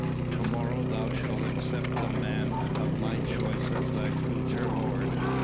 To morrow thou shalt accept the man of my choice as thy future lord.